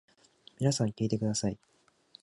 皆さん聞いてください。